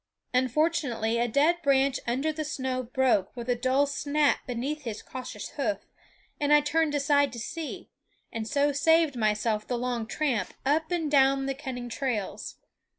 Unfortunately a dead branch under the snow broke with a dull snap beneath his cautious hoof, and I turned aside to see and so saved myself the long tramp up and down the cunning trails.